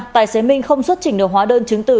tài xế minh không xuất trình được hóa đơn chứng từ